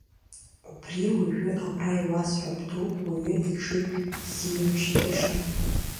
Убри уажәы абра иуасҳәап, дук уаҩы ихшыҩ ззимышьҭыша!